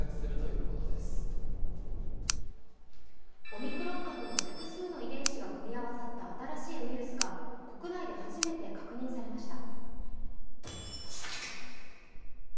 オミクロン株の複数の遺伝子が組み合わさった新しいウイルスが国内で初めて確認されました。